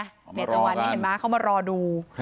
เดี๋ยวจงวันนี้เห็นมั้ยเขามารอดู